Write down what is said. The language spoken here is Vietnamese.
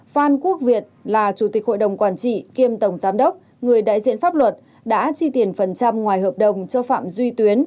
phan quốc việt là chủ tịch hội đồng quản trị kiêm tổng giám đốc người đại diện pháp luật đã chi tiền phần trăm ngoài hợp đồng cho phạm duy tuyến